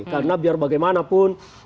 karena biar bagaimanapun